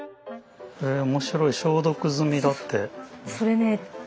え面白い「消毒済」だって。